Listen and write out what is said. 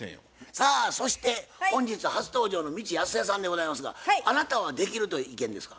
さあそして本日初登場の未知やすえさんでございますがあなたはできるという意見ですか？